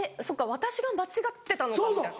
私が間違ってたのかみたいな。